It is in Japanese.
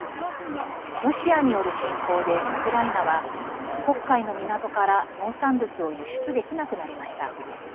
ロシアによる侵攻でウクライナは黒海の港から農産物を輸出できなくなりました。